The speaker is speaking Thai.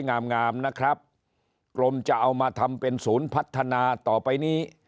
งามงามนะครับกรมจะเอามาทำเป็นศูนย์พัฒนาต่อไปนี้